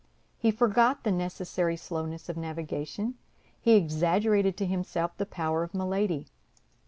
He forgot the necessary slowness of navigation; he exaggerated to himself the power of Milady.